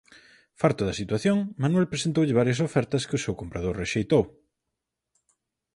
Farto da situación, Manuel presentoulle varias ofertas que o seu comprador rexeitou.